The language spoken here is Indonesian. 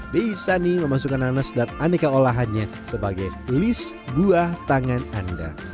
dei sani memasukkan nanas dan aneka olahannya sebagai lis buah tangan anda